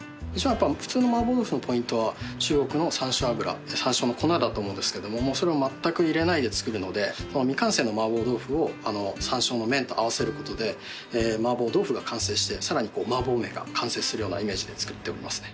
普通の麻婆豆腐のポイントは中国の山椒油山椒の粉だと思うんですけどもそれをまったく入れないで作るので未完成の麻婆豆腐を山椒の麺と合わせることで麻婆豆腐が完成してさらに麻婆麺が完成するようなイメージで作っておりますね。